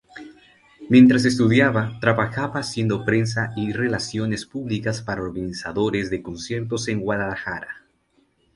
Mientras estudiaba, trabajaba haciendo prensa y relaciones públicas para organizadores de conciertos en Guadalajara.